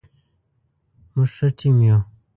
موږ ښه ټیم یو